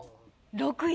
６位。